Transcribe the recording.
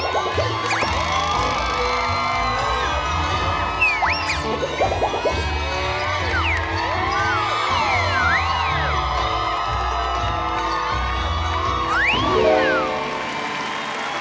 ดูหน่อยหน่อย